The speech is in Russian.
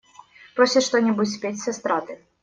Просят что-нибудь спеть с эстрады.